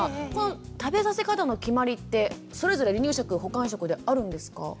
食べさせ方の決まりってそれぞれ離乳食・補完食であるんですか？